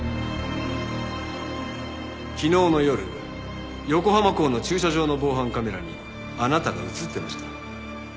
昨日の夜横浜港の駐車場の防犯カメラにあなたが映ってました。